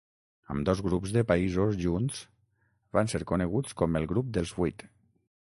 Ambdós grups de països junts van ser coneguts com el Grup dels Vuit.